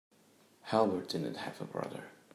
Albert didn't have a brother.